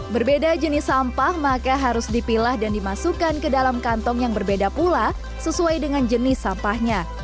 berbeda jenis sampah maka harus dipilah dan dimasukkan ke dalam kantong yang berbeda pula sesuai dengan jenis sampahnya